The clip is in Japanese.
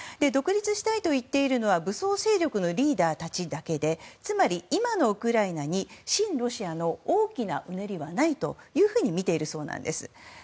独立したいと言っているのは武装勢力のリーダーたちだけでつまり、今のウクライナに親ロシアの大きなうねりはないというふうにみているそうなんです。